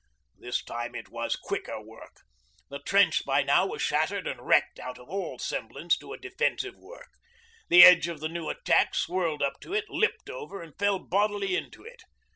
This time it was quicker work. The trench by now was shattered and wrecked out of all real semblance to a defensive work. The edge of the new attack swirled up to it, lipped over and fell bodily into it.